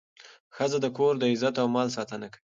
ښځه د کور د عزت او مال ساتنه کوي.